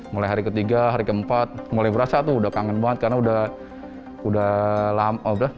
mulai hari ketiga hari keempat mulai berasa tuh udah kangen banget karena udah lama